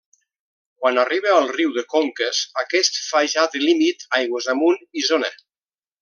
Quan arriba al riu de Conques, aquest fa ja de límit, aigües amunt, Isona.